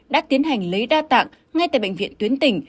đã tiến hành lấy đa tạng ngay tại bệnh viện tuyến tỉnh